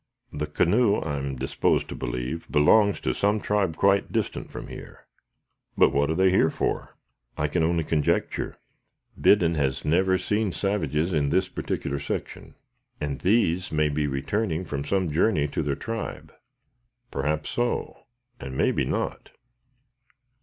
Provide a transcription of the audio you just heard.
The canoe, I am disposed to believe, belongs to some tribe quite distant from here." "But what are they here for?" "I can only conjecture. Biddon has never seen savages in this particular section, and these may be returning from some journey to their tribe." "Perhaps so, and may be not.